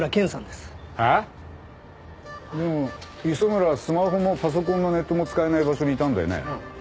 でも磯村スマホもパソコンもネットも使えない場所にいたんだよね？